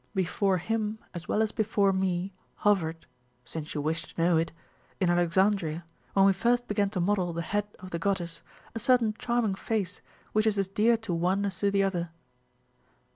Before him, as well as before me, hovered since you wish to know it in Alexandria, when we first began to model the head of the goddess, a certain charming face which is as dear to one as to the other."